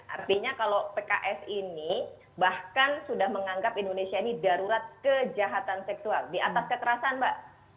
artinya kalau pks ini bahkan sudah menganggap indonesia ini darurat kejahatan seksual di atas kekerasan mbak